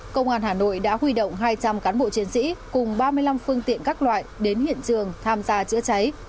công an hà nội đã huy động hai trăm linh cán bộ chiến sĩ cùng ba mươi năm phương tiện các loại đến hiện trường tham gia chữa cháy